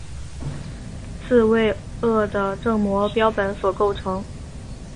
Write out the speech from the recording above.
刺猬鳄的正模标本所构成。